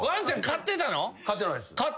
飼ってないです。